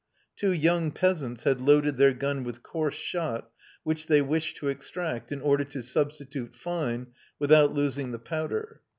Two young peasants had loaded their gun with coarse shot, which they wished to extract, in order to substitute fine, without losing the powder.